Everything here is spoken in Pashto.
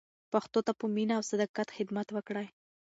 پښتو ته په مینه او صداقت خدمت وکړئ.